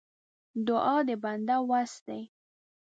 دعا د بنده وس دی.